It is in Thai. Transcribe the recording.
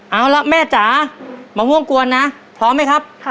เอาละแม่จ๋ามะม่วงกวนนะพร้อมไหมครับ